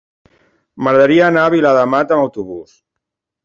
M'agradaria anar a Viladamat amb autobús.